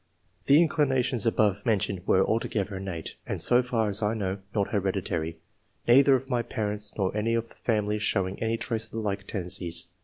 [The inclinations above mentioned were] altogether innate, and, so far as I know, not hereditary; neither of my parents nor any of the family showing any trace of the like tendencies.